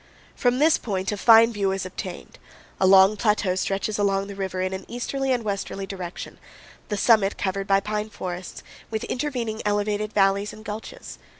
From this point a fine view is obtained. A long plateau stretches across the river in an easterly and westerly direction, the summit covered by pine forests, with intervening elevated valleys and gulches.